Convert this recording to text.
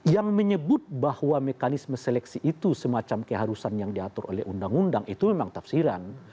yang menyebut bahwa mekanisme seleksi itu semacam keharusan yang diatur oleh undang undang itu memang tafsiran